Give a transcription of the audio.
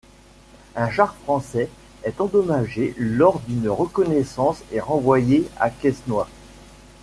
Un char français est endommagé lors d'une reconnaissance et renvoyé à Quesnoy.